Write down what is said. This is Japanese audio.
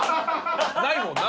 ないもんな。